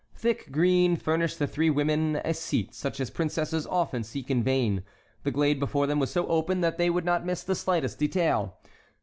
Thick green furnished the three women a seat such as princesses often seek in vain. The glade before them was so open that they would not miss the slightest detail.